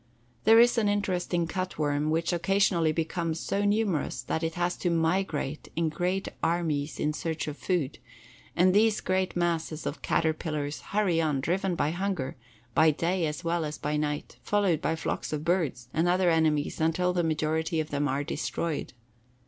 There is an interesting cut worm which occasionally becomes so numerous that it has to migrate in great armies in search of food, and these great masses of caterpillars hurry on, driven by hunger, by day as well as by night, followed by flocks of birds and other enemies until the majority of them are destroyed.